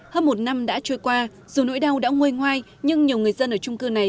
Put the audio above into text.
hơn một năm đã trôi qua dù nỗi đau đã nguôi ngoai nhưng nhiều người dân ở trung cư này